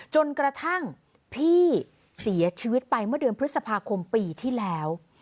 จนกระทั่งพี่เสียชีวิตไปเมื่อเดือนพฤษภาคมปีที่แล้ว